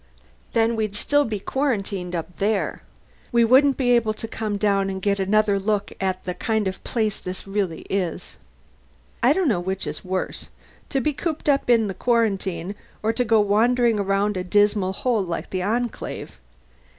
"Then we'd be still quarantined up there. We wouldn't be able to come down and get another look at the kind of place this really is." "I don't know which is worse to be cooped up in quarantine or to go wandering around a dismal hole like the Enclave."